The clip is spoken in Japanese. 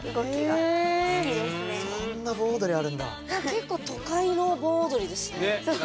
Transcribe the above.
結構都会の盆踊りですね。ね。